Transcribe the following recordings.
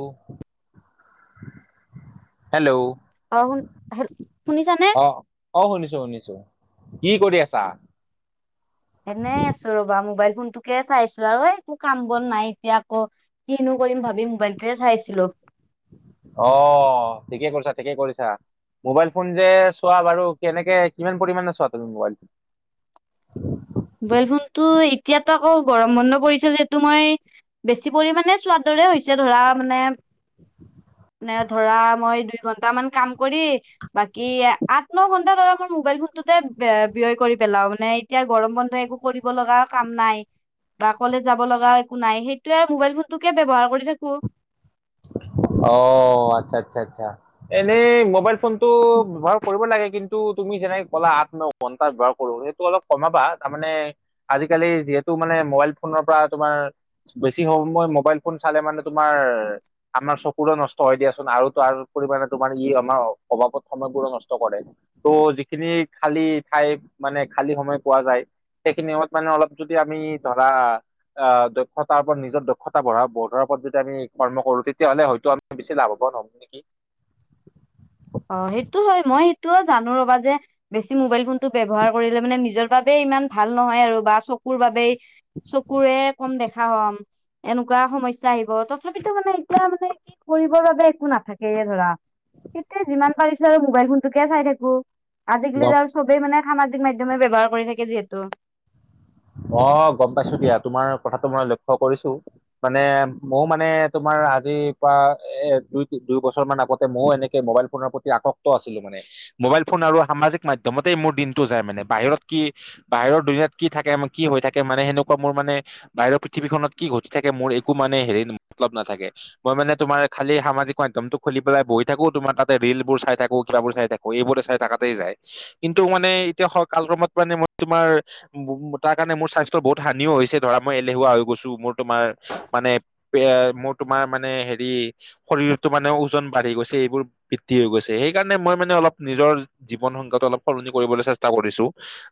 অ hello অ শুন হেল- শুনিছানে অ অ শুনিছো শুনিছো, কি কৰি আছা? এনেই আছো ৰবা মোবাইল ফোনটোকে চাইছো আৰু এই একো কাম বন নাই এতিয়া আকৌ, কিনো কৰিম ভাবি মোবাইলটোৱে চাই আছিলো। অ ঠিকে কৰিছা ঠিকে কৰিছা। মোবাইল ফোন যে চোৱা বাৰু কেনেকে কিমান পৰিমাণে চোৱা তুমি মোবাইল ফোন, [inaudible] মোবাইল ফোনতটো এতিয়াতো আকৌ গৰম বন্ধ পৰিছিল যিহেতু মই, বেছি পৰিমাণে চোৱাদৰে হৈছে ধৰা মানে, নে ধৰা মই দুই ঘন্টা মান কাম কৰি, বাকি আঠ ন ঘন্টা ধৰা মোৰ মোবাইল ফোনটোতে ব্যয় কৰি পেলাও মানে এতিয়া গৰম বন্ধ, একো কৰিব লগাও কাম নাই। বা কলেজ যাব লগা একো নাই সেইটোৱে আৰু মোবাইল ফোনটোকে ব্যয়ৱহাৰ কৰি থাকো। অ আচ্ছা আচ্ছা আচ্ছা, এনে মবাইল ফোনটো ব্যৱহাৰ কৰিব লাগে কিন্তু, টো তুমি যেনেকে ক'লা আঠ ন ঘণ্টা ব্যৱহাৰ কৰো সেইটো অলপ কমাবা তাৰমানে, আজিকালি যিহেতু মানে মোবাইল ফোনৰ পৰা তোমাৰ বেছি সময় মোবাইল ফোন চালে মানে তোমাৰ আমাৰ চকুৰো নষ্ট হয় দিয়াচোন আৰু তাৰ উপৰি মানে তোমাৰ ই আমাৰ অভাৱত সময়বোৰো নষ্ট কৰে। ত' যিখিনি খালি ঠাই মানে খালী সময় পোৱা যায় সেইখিনি সমত মানে অলপ যদি আমি ধৰা আহ দক্ষতাৰ ওপৰত নিজৰ দক্ষতা বঢ়া বঢ়াৰ ওপৰত যদি আমি কৰ্ম কৰো তে তেতিয়া হ'লে হয়ত আমি বেছি লাভ হ'ম নেকি অ', সেইটো হয়, মই সেইটোও জানো ৰবা যে বেছি মোবাইল ফোনটো ব্যৱহাৰ কৰিলে মানে নিজৰ বাব ইমান ভাল নহয় আৰু বা চকুৰ বাব চকুৰে কম দেখা হ'ম। এনেকুৱা সমস্যা আহিব, তথাপিতো মানে এতিয়া মানে কি কৰিবৰ বাবে একো নাথাকেইে ধৰা। তেতিয়া যিমান পাৰিছো আৰু মোবাইল ফোনতোকে চাই থাকো, আজিকালি যে চবেই মানে সামাজিক মাধ্যমে ব্যৱহাৰ কৰি থাকে যিহেতু। অ', গম পাইছো দিয়া, তোমাৰ কথাটো মই লক্ষ্য কৰিছো। মানে ময় মানে তোমাৰ আজি পৰা, এ দুই দুই বছৰ মান আগতে ময়ো এনেকে মোবাইল ফোনৰ প্ৰতি আকক্ত আছিলো মানে। মোবাইল ফোন আৰু সামাজিক মাধ্যমতেই মোৰ দিনটো যায় মানে, বাহিৰত কি বাহিৰৰ দুনীয়াত কি থাকে কি হৈ থাকে মানে, সেনেকুৱা মোৰ মানে বাহিৰৰ পৃথিৱীখনত কি ঘটি থাকে মোৰ একো মানে, হেৰি মতলব নাথাকে। মই মানে তোমাৰ খালি সামাজিক মাধ্যটো খুলি পেলাই বহি থাকো, তোমাৰ তাতে ৰিলবোৰ চাই থাকো কিবা বোৰ চাই থাকো। [unintelligible] চাই থাকাতেই যায়, কিন্তু মানে এতিয়া কালক্ৰমত মানে মই তোমাৰ তাৰ কাৰণে মোৰ স্বাস্থ্য বহুত হানিও হৈছে ধৰা, মই এলেহুৱা হৈ গৈছো মোৰ তোমাৰ মানে, এ মোৰ তোমাৰ মানে হেৰি শৰীৰতো মানে ওজন বাঢ়ি গৈছে, এইবোৰ বৃদ্ধি হৈ গৈছে, সেইকাৰণে মই মানে অলপ নিজৰ জীৱন সংজ্ঞাটো অলপ সলনি কৰিবলৈ চেষ্টা কৰিছো,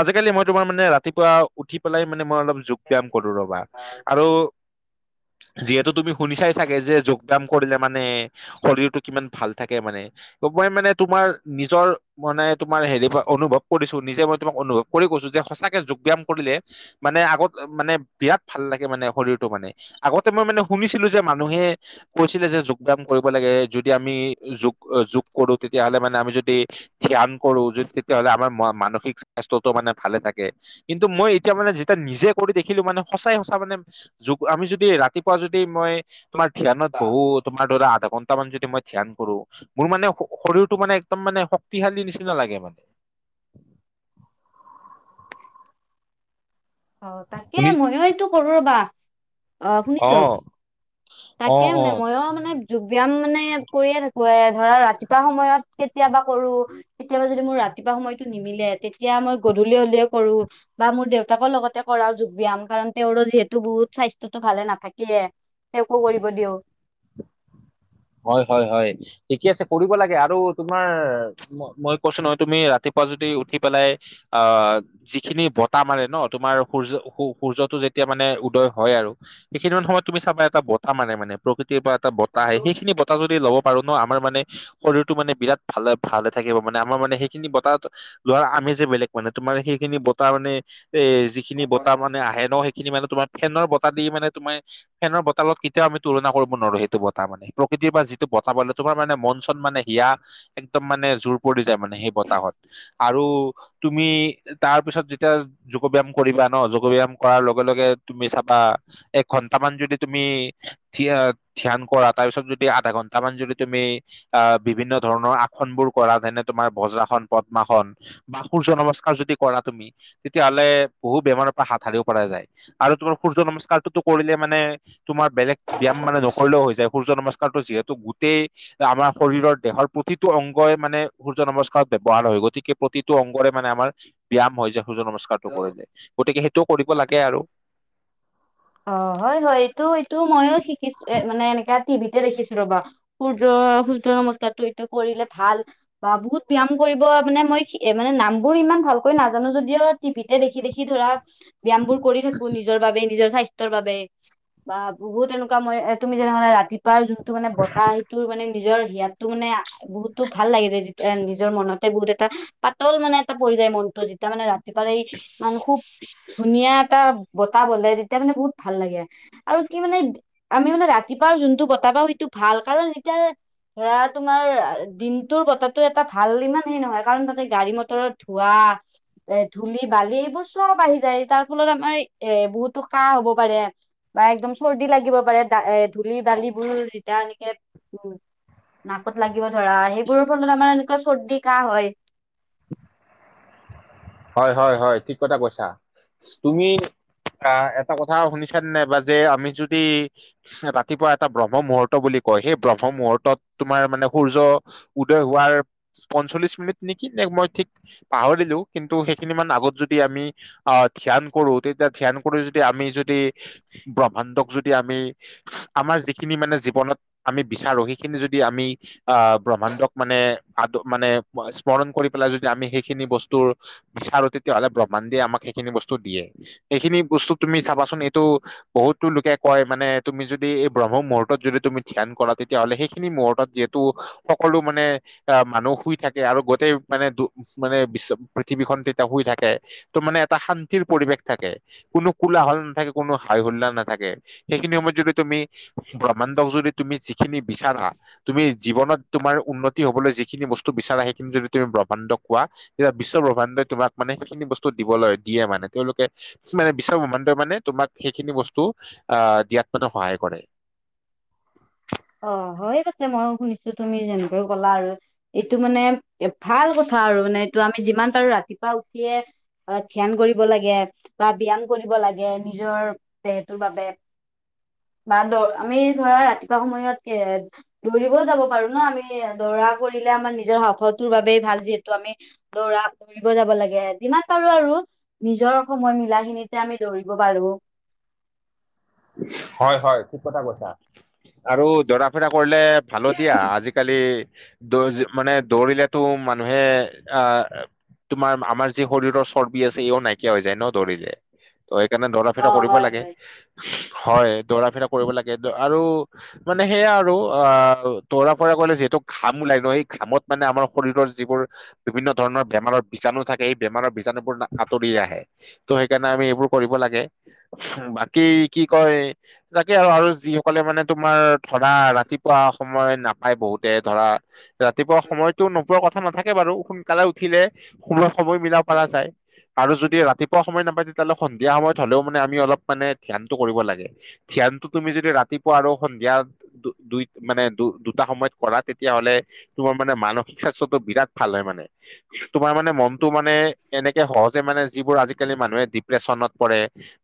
আজিকালি মই তোমাৰ মানে ৰা ৰাতিপুৱা উঠি পেলাই মানে মই অলপ যোগ ব্যায়াম কৰো ৰবা, আৰু যিহেতু তুমি শুনিচাই চাগে যে, যোগ ব্যয়াম কৰিলে মানে শৰীৰটো কিমান ভাল থাকে মানে। মই মানে তোমাৰ নিজৰ মানে তোমাৰ হেৰি অনুভৱ কৰিছো, নিজে মই তোমাক অনুভৱ কৰি কৈছো যে সঁচাকে ব্যায়াম কৰিলে, মানে আগত মানে বিৰাট ভাল লাগে মানে শৰীৰটো মানে। আগতে মই মানে শুনিছিলো যে, মানুহে কৈছিলে যে যোগ ব্যায়াম কৰিব লাগে, যদি আমি যোগ যোগ কৰো তেতিয়াহলে মানে আমি যদি ধ্যান কৰো, যদি তেতিয়াহ'লে আমাৰ মানসিক স্বাস্থ্যটো মানে ভালে থাকে। কিন্তু মই এতিয়া মানে যেতিয়া নিজে কৰি দেখিলো মানে, সঁচাই সঁচা মানে যোগ আমি যদি ৰাতিপুৱা যদি, মই তোমাৰ ধ্যানত বহু তোমাৰ ধৰা আধা ঘন্টা মান যদি মই ধ্যান কৰো, মোৰ মানে শৰীৰটো মানে একদম মানে, শক্তিশালী নিচিনা লাগে মানে। অ', তাকে শুনি ময়ো এইটো কৰো ৰ'বা। অ', শুনিছো। অ তাকে, অ মানে মইও মানে যোগ ব্যায়াম মানে কৰিয়ে থাকো, এ ধৰা ৰাতিপুৱা সময়ত কেতিয়াবা কৰো। কেতিয়াবা যদি মোৰ ৰাতিপুৱা সময়টো নিমিলে, তেতিয়া মই গধূলি হলেও কৰো বা মোৰ দেউতাকো লগত কৰা যোগ ব্যায়াম কাৰণ, তেওঁৰো যিহেতু বহুত স্বাস্থ্যতো ভালে নাথাকিয়ে, তেওঁকো কৰিব দিও। হয়, হয়, হয়, ঠিকে আছে কৰিব লাগে, আৰু তোমাৰ মই কৈছো নহয়, তুমি ৰাতিপুৱা যদি উঠি পেলাই আহ যিখিনি বতাহ মাৰে নহ, তোমাৰ সূৰ্য-সূৰ্যটো যেতিয়া মানে উদয় হয় আৰু সেইখিনি সময়ত তুমি চাবা এটা বতাহ মাৰে মানে, প্ৰকৃতিৰ পৰা এটা বতাহ আহে সেই সেইখিনি বতাহ যদি ল'ব পাৰো নহ, আমাৰ মানে শৰীৰটো মানে বিৰাট ভালে ভালে থাকিব, মানে আমাৰ মানে সেইখিনি বতাহ লোৱা আমিজে বেলেগ মানে তোমাৰ সেইখিনি বতাহ মানে, এ যিখিনি বতাহ মানে আহে নহ সেই খিনি মানে তোমাৰ ফেনৰ বতাহ দি মানে তোমাৰ ফেনৰ বতাহৰ লগত কেতিয়াও আমি তুলনা কৰিব নোৱাৰো, সেইটো বতাহ মানে। প্ৰকৃতিৰ পৰা যিটো বতাহ [unintelligible] তোমাৰ মানে মন চন মানে হিয়া একদম মানে জোৰ পৰি যায় মানে সেই বতাহত, আৰু তুমি, তাৰপিছত যেতিয়া যোগ ব্যায়াম কৰিবা নহ, যোগ ব্যায়াম কৰাৰ লগে লগে তুমি চাবা এঘন্টামান যদি তুমি ধ্য-ধ্যান কৰা তাৰপিছত যদি আধা ঘণ্টা মান যদি তুমি আহ বিভিন্ন ধৰণৰ আসন বোৰ কৰা যেনে, তোমাৰ ভজ্ৰাসন পদ্মাসন বা সূৰ্য নমস্কাৰ যদি কৰা তুমি তেতিয়াহ'লে বহু বেমাৰৰ পৰা হাত সাৰিব পৰা যায়, আৰু তোমাৰ সূৰ্য নমস্কাৰটোতো কৰিলে মানে তোমাৰ বেলেগ ব্যায়াম মানে নকৰিলেও হৈ যায়, সূৰ্য নমস্কাৰটো যিহেতু গোটেই আমাৰ শৰীৰৰ দেহৰ প্ৰতিটো অংগই মানে সূৰ্য নমস্কাৰত ব্যৱহাৰ হয়, গতিকে প্ৰতিটো অংগৰে মানে আমাৰ ব্যায়াম হয় যে সূৰ্য নমস্কাৰটো কৰিলে, গতিকে সেইটোও কৰিব লাগে আৰু। অ', হয়, হয়, এইটো এইটো ময়ো শিকিছোঁ, এ মানে এনেকা টিভিতে দেখিছো ৰ'বা। সূৰ্য, সূৰ্য নমস্কাৰটো এইটো কৰিলে ভাল। বা বহুত ব্যায়াম কৰিব, মানে মই মানে নামবোৰ ইমান ভালকৈ নাজানো যদিও টিভিতে দেখি দেখি ধৰা, ব্যয়ামবোৰ কৰি থাকোঁ নিজৰ বাবে, নিজৰ স্বাস্থ্যৰ বাবে, বা বহুত এনেকুৱা মই এ তুমি যেনেধৰণে ৰাতিপুৱাৰ যোনটো মানে বতাহ, সেইটোৰ মানে নিজৰ হিয়াটো মানে বহুতো ভাল লাগি যায় যেতিয়া নিজৰ মনতে বহুত এটা, পাতল মানে এটা পৰি যায় মনটো তেতিয়া মানে ৰাতিপুৱা এই, মান খুব ধুনীয়া এটা বতাহ বলে তেতিয়া মানে বহুত ভাল লাগে। আৰু কি মানে, আমি মানে ৰাতিপুৱা যোনটো বতাহ পাওঁ সেইটো ভাল, কাৰণ এতিয়া ধৰা তোমাৰ দিনটোৰ বতাহটো এটা ভাল ইমান সেই নহয়, কাৰণ তাতে গাড়ী মটৰৰ ধোঁৱা এ ধূলি বালি এইবোৰ চব আহি যায়, তাৰ ফলত আমাৰ এ বহুতো কাহ হ'ব। পাৰে, বা একদম চৰ্দি লাগিব পাৰে, এ ধূলি বালিবোৰ যেতিয়া এনেকে উ নাকত লাগিব ধৰা, সেইবোৰৰ ফলত আমাৰ এনেকুৱা চৰ্দি কাহ হয়। হয়, হয়, হয়, ঠিক কথা কৈছা। তুমি আ, এটা কথা শুনিছা নে নাইবা যে আমি যদি ৰাতিপুৱা এটা ব্ৰহ্ম মুহূৰ্ত বুলি কয়, সেই ব্ৰহ্ম মুহূৰ্তত তোমাৰ মানে সূৰ্য উদয় হোৱাৰ পঞ্চল্লিশ মিনিট নেকি, নে মই ঠিক পাহৰিলো। কিন্তু সেইখিনি মান আগত যদি আমি আ ধ্যান কৰোঁ, তেতিয়া ধ্যান কৰি যদি আমি যদি ব্ৰহ্মাণ্ডক যদি আমি, আমাৰ যিখিনি মানে জীৱনত আমি বিচাৰোঁ, সেইখিনি যদি আমি অ', ব্ৰহ্মাণ্ডক মানে আদ, মানে স্মৰণ কৰি পেলাই যদি আমি সেইখিনি বস্তুৰ বিচাৰোঁ, তেতিয়াহ'লে ব্ৰহ্মাণ্ডে আমাক সেইখিনি বস্তু দিয়ে, এইখিনি বস্তু তুমি চাবাচোন এইটো বহুতো লোকে কয় মানে তুমি যদি এই ব্ৰহ্ম মুহূৰ্তত যদি তুমি ধ্যান কৰা তেতিয়াহ'লে সেইখিনি মুহূৰ্তত যিহেতু সকলো মানে, আ, মানুহ শুই থাকে আৰু গোটেই মানে দু মানে বিশ্ব পৃথিৱীখন তেতিয়া শুই থাকে, ত' মানে এটা শান্তিৰ পৰিৱেশ থাকে। কোনো কোলাহল নাথাকে, কোনো হাই হোল্লাৰ নাথাকে। সেইখিনি সময়ত যদি তুমি, ব্ৰহ্মাণ্ডক যদি তুমি যিখিনি বিচাৰা তুমি জীৱনত তোমাৰ উন্নতি হবলৈ যিখিনি বস্তু বিচাৰা সেইখিনি যদি তুমি ব্ৰহ্মাণ্ড কোৱা তে বিশ্বব্ৰহ্মাণ্ডই তোমাক মানে সেইখিনি বস্তু দিবলৈ দিয়ে মানে, তেওঁলোকে মানে বিশ্ব ব্ৰহ্মাণ্ডই মানে তোমাক সেইখিনি বস্তু, আ, দিয়াত মানে সহায় কৰে। অ', হয়, পিছে ময়ো শুনিছোঁ, তুমি যেনেকৈ ক'লা আৰু এইটো মানে, এ ভাল কথা আৰু মানে এইটো আমি যিমান পাৰোঁ ৰাতিপুৱা উঠিয়ে অ', ধ্যান কৰিব লাগে। বা ধ্যান কৰিব লাগে, নিজৰ দেহটোৰ বাবে। বা দ, আমি ধৰা ৰাতিপুৱা সময়ত কি দৌৰিবও যাব পাৰোঁ ন, আমি দৌৰা কৰিলে আমাৰ নিজৰ সফটোৰ বাবেই ভাল যিহেতু আমি দৌৰা, দৌৰিব যাব লাগে, যিমান পাৰোঁ আৰু নিজৰ সময় মিলা খিনিতে আমি দৌৰিব পাৰোঁ। হয়, হয় ঠিক কথা কৈছা। আৰু জৰা ফিৰা কৰিলে ভাল দিয়া আজিকালি দৌ মানে দৌৰিলেতো মানুহে আহ তোমাৰ, আমাৰ যি শৰীৰৰ চৰ্বি আছে, ইও নাইকিয়া হৈ যায় ন দৌৰিলে। ত', সেইকাৰণে দৌৰা অ ফিৰা কৰিব হয় লাগে, হয় হয়, দৌৰা ফিৰা কৰিব লাগে আৰু মানে সেয়া আৰু আ দৰা পৰা কলে যিহেতু ঘাম ওলাই, ন, সেই ঘামত মানে আমাৰ শৰীৰৰ যিবোৰ বিভিন্ন ধৰণৰ বেমাৰৰ বীজাণু থাকে এই বেমাৰৰ বীজাণু আঁতৰি আহে ত' সেইকাৰণে আমি এইবোৰ কৰিব লাগে। বাকী কি কয় তাকে আৰু আৰু যিসকলে মানে তোমাৰ ধৰা ৰাতিপুৱা সময় নাপায় বহুতে ধৰা ৰাতিপুৱা সময়তো নোপোৱা কথা নাথাকে বাৰু সোনকালে উঠিলে সম সময় মিলা পৰা যায়, আৰু যদি ৰাতিু পুৱা সময় নাপায় তেতিয়াহ'লে সন্ধিয়া সময়ত হলেও মানে আমি অলপ মানে ধ্যানটো কৰিব লাগে। ধ্যানটো তুমি যদি ৰাতিপুৱা আৰু সন্ধিয়া দু দুই মানে দু দুটা সময়ত কৰা তেতিয়াহ'লে তোমাৰ মানে মানসিক স্বাস্থ্যটো বিৰাট ভাল হয়, মানে। তোমাৰ মানে মনটো মানে এনেকে সহজে মানে যিবোৰ আজিকালি মানুহে ডিপ্ৰেশচনত পৰে।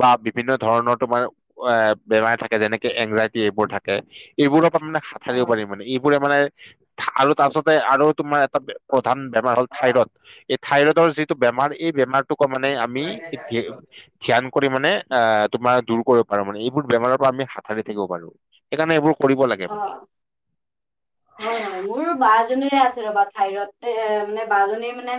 বা বিভিন্ন ধৰণৰ তোমাৰ এ বেমাৰ থাকে। যেনেকে এনজাইটি এইবোৰ থাকে। এইবোৰৰ পৰা মানে হাত সাৰিব পাৰিম মানে এইবোৰে মানে আৰু তাৰপাছতে আৰু তোমাৰ এটা প্ৰধান বেমাৰ হ'ল থাইৰড। এই থাইৰইডৰ যিটো বেমাৰ এই বেমাৰ টোক মানে আমি ধ্যান কৰি মানে অ', তোমাৰ দূৰ কৰিব পাৰো মানে এইবোৰ বেমাৰৰ পৰা আমি হাতশাৰী থাকিব পাৰো। সেইকাৰণে এইবোৰ কৰিব লাগে অ মানে। অ হয় মোৰ বা জনিৰে আছে ৰ'বা থাইৰইড এ মানে বা জনী মানে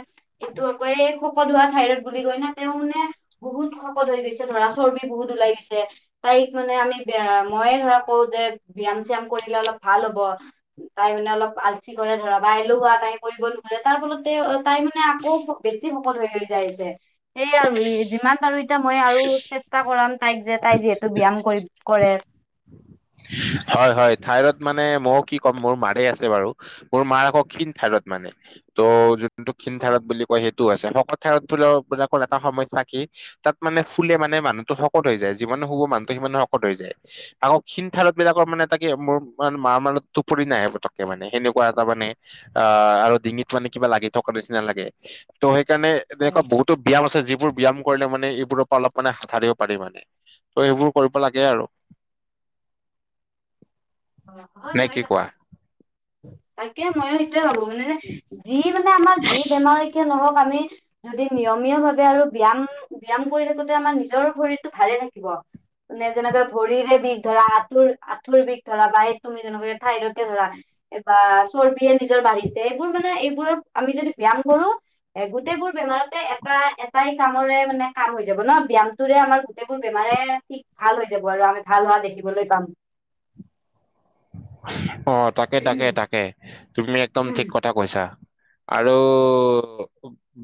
এইটো আকৌ এই শকত হোৱা থাইৰইড বুলি কয় না তেওঁ মানে বহুত শকত হৈ গৈছে ধৰা চৰ্বি বহুত ওলাই গৈছে। তাইক মানে আমি ব মইে ধৰা কওঁ যে ব্যয়াম চিয়াম কৰিলে অলপ ভাল হব। তাই মানে অলপ আলচি কৰে ধৰা বা এলেহুৱা তাই কৰিব নোখোজে তাৰ ফলতে তাই মানে আকৌ বেছি শকত হৈ যাইছে সেইয় আৰু ই যিমান পৰো এতিয়া মই আৰু চেষ্টা কৰাম তাইক যে, তাই যিহেতু ব্যায়াম কৰি কৰে। হয়, হয়, থঠাইৰড মানে মইো কি ক'ম মোৰ মাৰে আছে বাৰু। মোৰ মাৰ আকৌ খন থাইৰইড মানে। ত' যোনটো ক্ষীণ অ, থাইৰইড বুলি কয় সেইটো আছে, শকত থাইৰইড বিলাকৰ এটা সমস্যা কি তাত মানে ফুলে মানে মানুহটো শকত হৈ যায় যিমানে শুব মানুহটো সিমান শকত হৈ যায় আকৌ ক্ষীণ থাইৰইড বিলাকৰ মানে তাকে মোৰ মাৰ মানে টোপনি নাহে পতকে মানে সেনেকুৱা এটা মানে আহ আৰু ডিঙিত মানে কিবা লাগি থকা নিচিনা লাগে ত' সেইকাৰণে হয় এনেকুৱা বহুতো ব্যায়াম আছে। যিবোৰ ব্যায়াম কৰিলে মানে এইবোৰৰ পৰা অলপ মানে হাত সাৰিব পাৰি মানে ত' সেইবোৰ কৰিব লাগে আৰু। অ', হয়, নে হৈ কি কোৱা গছে তাকে ময়ো সেইটোৱে ভাবো মানে যে যি মানে আমাৰ যি বেমাৰ কিয় নহওক আমি যদি নিয়মীয়া ভাৱে আৰু বিয়াম ব্যায়ম কৰি থাকোতে আমাৰ নিজৰ শৰীৰটো ভালে থাকিব। মানে যেনেকে ভৰিৰে বিষ ধৰা আঁঠুৰ আঁঠুৰ বিষ ধৰা বা তুমি যেনেকা থাইৰইডে ধৰা। বা চৰ্বিয়ে নিজৰ বাঢ়িছে এইবোৰ মানে এইবোৰৰ আমি যদি ব্য়াম কৰো। এ গোটেই বোৰ বেমাৰতে এটা এটাই কামৰে মানে কাম হৈ যাব ন' ব্যয়াম টোৰে আমাৰ গোটেইবোৰ বেমাৰে ঠিক ভাল হৈ যাব আৰু আমি ভাল হোৱা দেখিবলৈ পাম। অ', তাকে তাকে তাকে, তুমি একদম ঠিক কথা কৈছা আৰু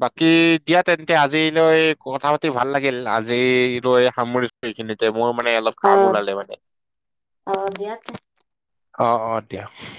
বাকী দিয়া তেন্তে আজিলৈ কথা পাতি ভাল লাগিল। আজিলৈ সামৰিছোঁ এইখিনিতে মোৰ মানে অলপ অ কাম ওলালে মানে। অ', দিয়া তে অ', অ', দিয়া।